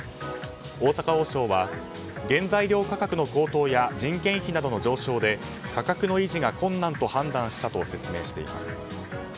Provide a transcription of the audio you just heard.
大阪王将は原材料価格の高騰や人件費などの上昇で価格の維持が困難と判断したと説明しています。